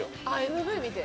ＭＶ見て？